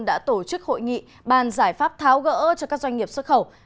đã tổ chức hội nghị bàn giải pháp tháo gỡ cho các doanh nghiệp xuất khẩu